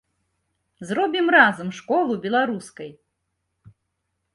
Зробім разам школу беларускай!